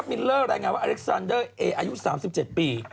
มิลเลอร์รายงานว่าอเล็กซานเดอร์เออายุ๓๗ปี